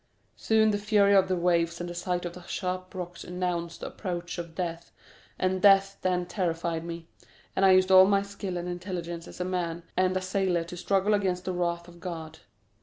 Soon the fury of the waves and the sight of the sharp rocks announced the approach of death, and death then terrified me, and I used all my skill and intelligence as a man and a sailor to struggle against the wrath of God.